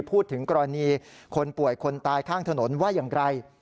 พูดถึงกรณีคนป่วยคนตายข้างถนนว่าอย่างไร